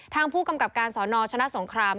ทางผู้กำกับการสนชนะสงคราม